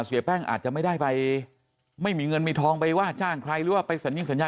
เสียแป้งอาจจะไม่ได้ไปไม่มีเงินมีทองไปว่าจ้างใครหรือว่าไปสัญญิสัญญา